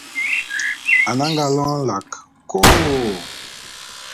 Ane anga lône nlak ko-o-o!